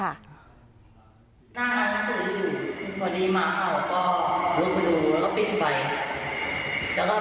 มาที่นี่ขอยืนคิดให้คนเห็น